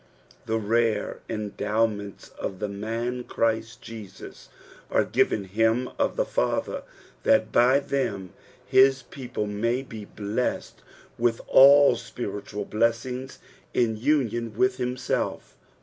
The rare en dowments of the man Christ Jesus are given him of the Father, that by them his people may be blessed with all spiritual blessings in union with himself.